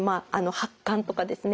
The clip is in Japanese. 発汗とかですね